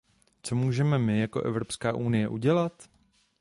Co můžeme my jako Evropská unie udělat?